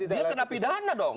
dia kena pidana dong